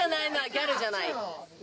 ギャルじゃない俺